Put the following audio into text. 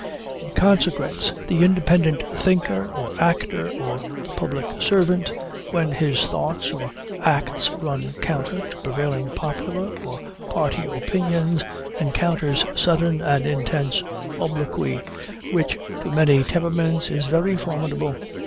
In consequence, the independent thinker or actor, or the public servant, when his thoughts or acts run counter to prevailing popular or party opinions, encounters sudden and intense obloquy, which, to many temperaments, is very formidable.